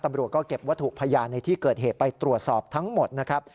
ตำรวจก็เก็บวัตถุพยานในที่เกิดเหตุไปตรวจสอบทั้งหมดนะครับ